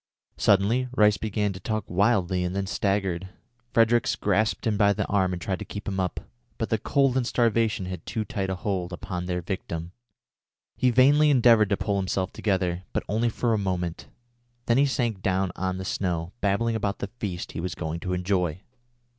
Suddenly Rice began to talk wildly and then staggered. Fredericks grasped him by the arm and tried to keep him up, but the cold and starvation had too tight a hold upon their victim. He vainly endeavoured to pull himself together, but only for a moment; then he sank down on the snow, babbling about the feast he was going to enjoy.